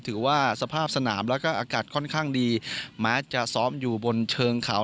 ถือว่าสภาพสนามแล้วก็อากาศค่อนข้างดีแม้จะซ้อมอยู่บนเชิงเขา